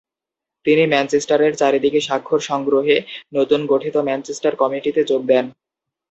তিনি ম্যানচেস্টারের চারিদিকে স্বাক্ষর সংগ্রহে নতুন গঠিত ম্যানচেস্টার কমিটিতে যোগ দেন।